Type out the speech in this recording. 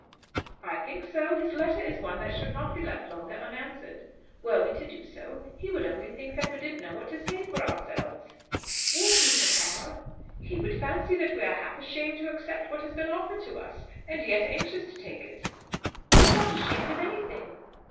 "I think so. His letter is one that should not be left longer unanswered. Were we to do so, he would only think that we didn't know what to say for ourselves." "Would he, papa?" "He would fancy that we are half ashamed to accept what has been offered to us, and yet anxious to take it." "I am not ashamed of anything."